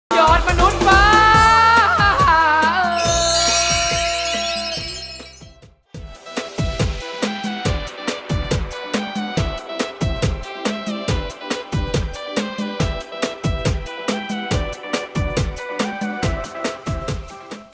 โยชน์มนุษย์ป้า